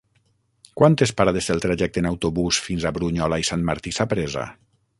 Quantes parades té el trajecte en autobús fins a Brunyola i Sant Martí Sapresa?